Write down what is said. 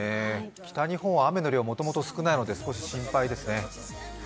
北日本は雨の量はもともと少ないので少し心配ですね。